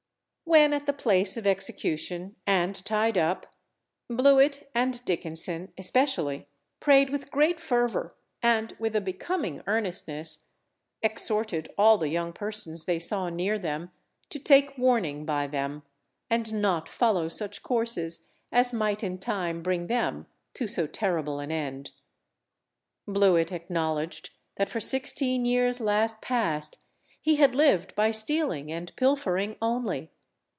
When at the place of execution and tied up, Blewit and Dickenson, especially, prayed with great fervour and with a becoming earnestness, exhorted all the young persons they saw near them to take warning by them, and not follow such courses as might in time bring them to so terrible an end. Blewit acknowledged that for sixteen years last past he had lived by stealing and pilfering only.